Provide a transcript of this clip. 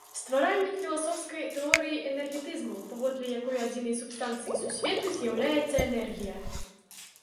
Стваральнік філасофскай тэорыі энергетызму, паводле якой адзінай субстанцыяй сусвету з'яўляецца энергія.